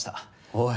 おい。